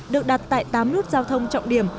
được đặt tại tám nốt giao thông trọng điểm